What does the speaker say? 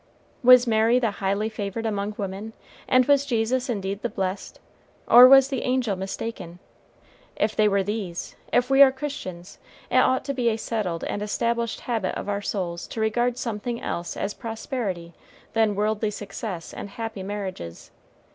Was Mary the highly favored among women, and was Jesus indeed the blessed, or was the angel mistaken? If they were these, if we are Christians, it ought to be a settled and established habit of our souls to regard something else as prosperity than worldly success and happy marriages.